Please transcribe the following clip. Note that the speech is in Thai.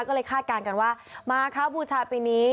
ก็เลยคาดการณ์กันว่ามาครับบูชาปีนี้